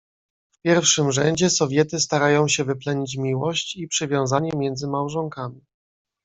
"W pierwszym rzędzie Sowiety starają się wyplenić miłość i przywiązanie między małżonkami."